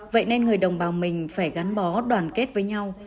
vậy nên người đồng bào mình phải gắn bó đoàn kết với nhau